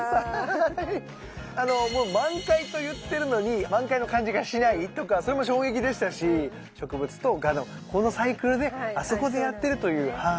もう満開と言ってるのに満開の感じがしないとかそれも衝撃でしたし植物と蛾のこのサイクルねあそこでやってるという。